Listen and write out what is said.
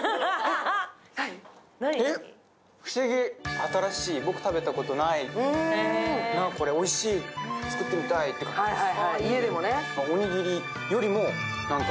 新しい、僕食べたことないこれおいしい作ってみたいっていう感じです。